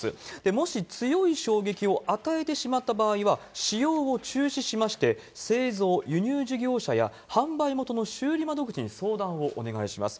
もし強い衝撃を与えてしまった場合は、使用を中止しまして、製造・輸入事業者や販売元の修理窓口に相談をお願いします。